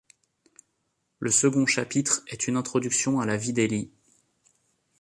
Le second chapitre est une introduction à la vie d’Élie.